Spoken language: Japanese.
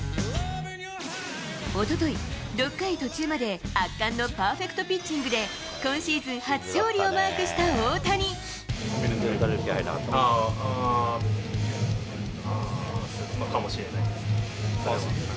おととい、６回途中まで圧巻のパーフェクトピッチングで、今シーズン初勝利をマークした大谷。かもしれない。